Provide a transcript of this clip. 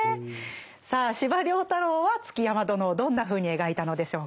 さあ司馬太郎は築山殿をどんなふうに描いたのでしょうか？